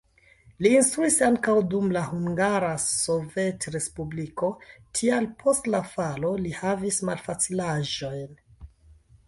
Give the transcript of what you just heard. Li instruis ankaŭ dum la Hungara Sovetrespubliko, tial post la falo li havis malfacilaĵojn.